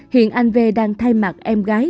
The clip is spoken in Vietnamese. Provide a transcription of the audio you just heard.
hiện anh v đang thay mặt em gái